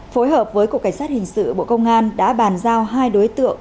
phối hợp với cục cảnh sát hình sự bộ công an đã bàn giao hai đối tượng